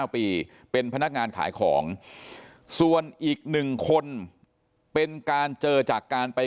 ปีเป็นพนักงานขายของส่วนอีก๑คนเป็นการเจอจากการไป